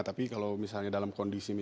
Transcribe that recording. tapi kalau misalnya dalam kondisi